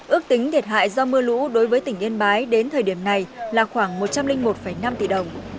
ước tính thiệt hại do mưa lũ đối với tỉnh yên bái đến thời điểm này là khoảng một trăm linh một năm tỷ đồng